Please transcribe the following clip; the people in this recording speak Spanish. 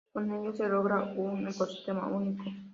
Con ello se logra un ecosistema único.